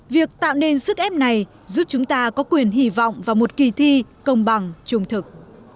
việc tạo nên sức ép này giúp chúng ta có quyền hy vọng vào một kỳ thi công bằng trung thực